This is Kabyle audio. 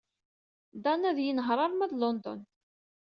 Dan ad yenheṛ arma d London.